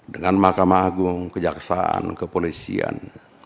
dengan mahkamah agung kejaksaan kepolisian